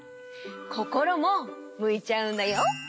こころもむいちゃうんだよ。